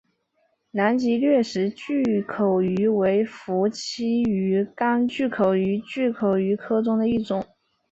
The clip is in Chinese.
南极掠食巨口鱼为辐鳍鱼纲巨口鱼目巨口鱼科的其中一种。